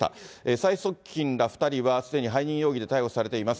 最側近ら２人は、すでに背任容疑で逮捕されています。